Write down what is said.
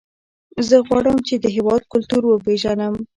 زه غواړم چې د هېواد کلتور وپېژنم.